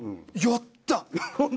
やった！